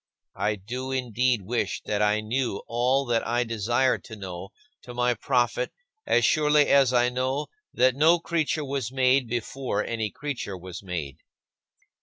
I do indeed wish that I knew all that I desire to know to my profit as surely as I know that no creature was made before any creature was made.